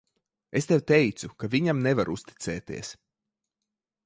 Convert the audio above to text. Es tev teicu, ka viņam nevar uzticēties.